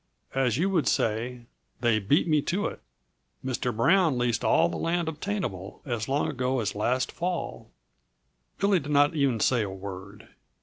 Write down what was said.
As you would say, they beat me to it. Mr. Brown leased all the land obtainable, as long ago as last fall." Billy did not even say a word.